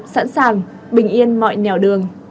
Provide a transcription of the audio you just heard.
sẵn sàng bình yên mọi nẻo đường